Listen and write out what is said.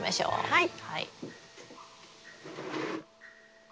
はい。